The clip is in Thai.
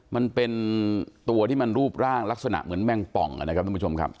มันเป็นตัวที่มันรูปร่างลักษณะเหมือนแมงป่องนะครับท่านผู้ชมครับ